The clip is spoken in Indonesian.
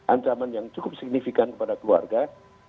ancaman yang cukup signifikan kepada keluarga